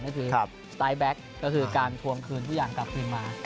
ก็คือสไตล์แบ็กก็คือการทวงคืนทุกอย่างมา